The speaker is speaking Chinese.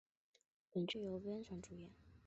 本剧由渡边谦主演。